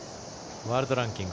ワールドランキング